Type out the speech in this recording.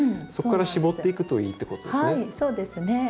そこから絞っていくといいってことですね。